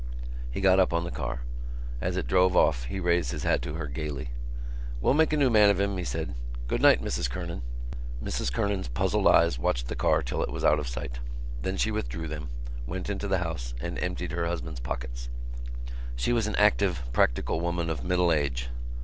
He got up on the car. As it drove off he raised his hat to her gaily. "We'll make a new man of him," he said. "Good night, Mrs Kernan." Mrs Kernan's puzzled eyes watched the car till it was out of sight. Then she withdrew them, went into the house and emptied her husband's pockets. She was an active, practical woman of middle age.